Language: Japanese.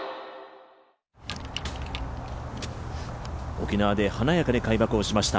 沖縄で華やかに開幕しました